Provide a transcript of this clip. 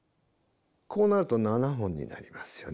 こうなると７本になりますよね。